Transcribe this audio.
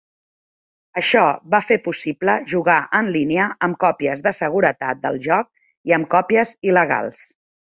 Això va fer possible jugar en línia amb còpies de seguretat del joc i amb còpies il·legals.